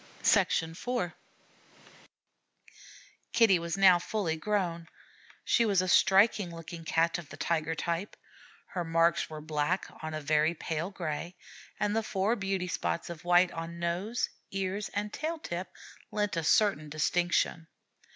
IV Kitty was now fully grown. She was a striking looking Cat of the tiger type. Her marks were black on a very pale gray, and the four beauty spots of white on nose, ears, and tail tip lent a certain distinction.